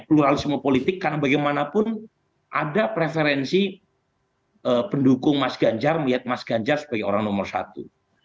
pluralisme politik karena bagaimanapun ada preferensi pendukung mas ganjar melihat mas ganjar sebagai orang nomor satu